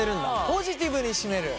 ポジティブに締める。